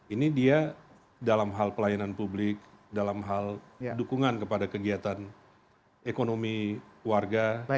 ini dia dalam hal pelayanan publik dalam hal dukungan kepada kegiatan ekonomi warga